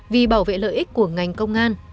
vì bảo vệ lợi ích của ngành công an